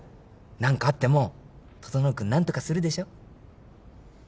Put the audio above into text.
何かあっても整君何とかするでしょ。